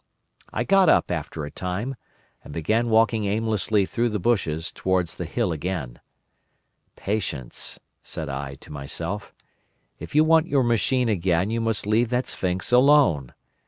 "I got up after a time, and began walking aimlessly through the bushes towards the hill again. 'Patience,' said I to myself. 'If you want your machine again you must leave that sphinx alone.